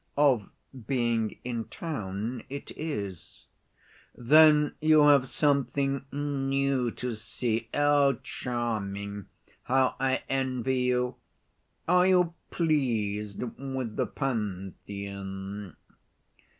"Of being in town, it is." "Then you have something new to see; oh charming! how I envy you! Are you pleased with the Pantheon?"